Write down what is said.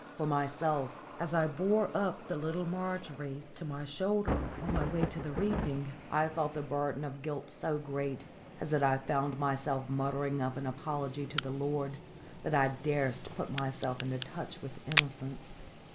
For myself, as I bore up the little Margery to my shoulder on my way to the reaping, I felt the burden of guilt so great as that I found myself muttering of an apology to the Lord that I durst put myself into touch with innocence.